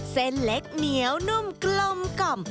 เส้นเล็กเหนียวนุ่มกลมกล่อม